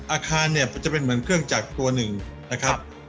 อาคารเนี่ยจะเป็นเหมือนเครื่องจักรตัวหนึ่งนะครับ